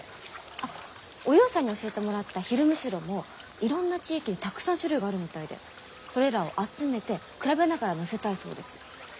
あっおゆうさんに教えてもらったヒルムシロもいろんな地域にたくさん種類があるみたいでそれらを集めて比べながら載せたいそうです。